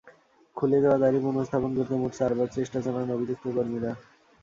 খুলে যাওয়া দাড়ি পুনঃস্থাপন করতে মোট চারবার চেষ্টা চালান অভিযুক্ত কর্মীরা।